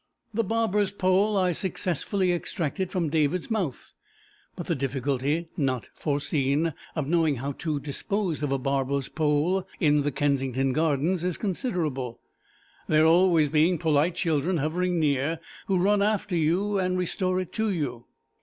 The barber's pole I successfully extracted from David's mouth, but the difficulty (not foreseen) of knowing how to dispose of a barber's pole in the Kensington Gardens is considerable, there always being polite children hovering near who run after you and restore it to you.